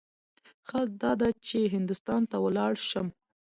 ښه داده چې هندوستان ته ولاړ شم.